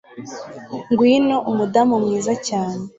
Ngwino umudamu mwiza cyane